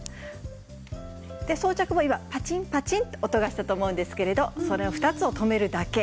で装着後今パチンパチンと音がしたと思うんですけれどその２つを留めるだけ。